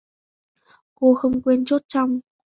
cô không quên chốt trong